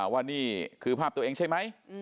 ว่านี่คือภาพตัวเองใช่ไหม